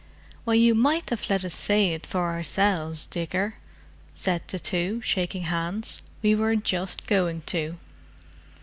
"Well, you might have let us say it for ourselves, digger," said the two, shaking hands. "We were just going to."